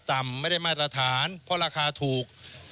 ต่ำไม่ได้มาตรฐานเพราะราคาถูก